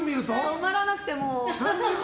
止まらなくてもう。